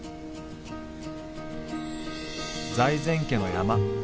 財前家の山。